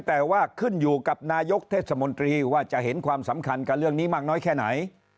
แต่ว่าขึ้นอยู่กับนายกเทศมนตรีว่าจะเห็นความสำคัญกับเรื่องนี้มากน้อยแค่ไหน